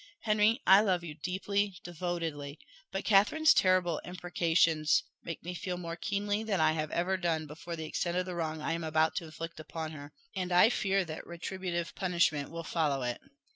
Henry, I love you deeply, devotedly but Catherine's terrible imprecations make me feel more keenly than I have ever done before the extent of the wrong I am about to inflict upon her and I fear that retributive punishment will follow it."